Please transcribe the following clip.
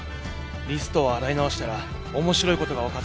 リストを洗い直したら面白い事がわかった。